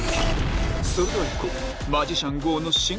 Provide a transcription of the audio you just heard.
それではいこう！